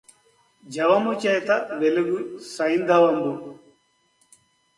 జవముచేత వెలుగు సైంధవంబు